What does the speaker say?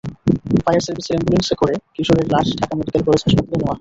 Fire সার্ভিসের অ্যাম্বুলেন্সে করে কিশোরের লাশ ঢাকা মেডিকেল কলেজ হাসপাতালে নেওয়া হয়।